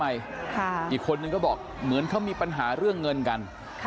ทำน้องทำไมอีกคนนึงก็บอกเหมือนเขามีปัญหาเรื่องเงินกัน